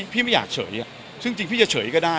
ไม่อยากเฉยซึ่งจริงพี่จะเฉยก็ได้